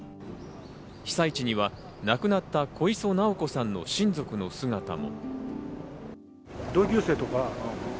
被災地には亡くなった小磯尚子さんの親族の姿も。